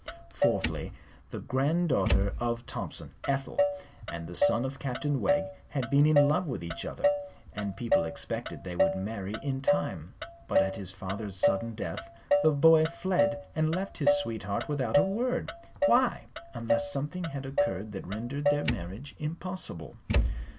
Fourthly, the granddaughter of Thompson, Ethel, and the son of Captain Wegg had been in love with each other, and people expected they would marry in time. But at his father's sudden death the boy fled and left his sweetheart without a word. Why unless something had occurred that rendered their marriage impossible?